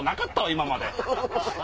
今まで。